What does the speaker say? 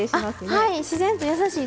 はい。